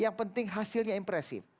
yang penting hasilnya impresif